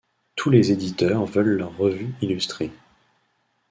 Tous les éditeurs veulent leur revue illustrée.